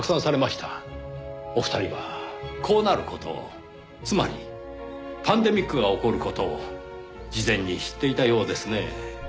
お二人はこうなる事をつまりパンデミックが起こる事を事前に知っていたようですねぇ。